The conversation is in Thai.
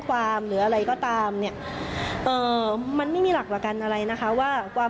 ความหรืออะไรก็ตามเนี่ยเอ่อมันไม่มีหลักประกันอะไรนะคะว่าความ